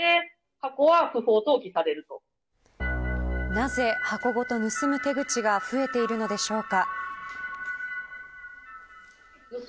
なぜ、箱ごと盗む手口が増えているのでしょうか。